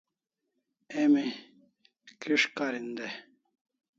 Emi kis'karin dai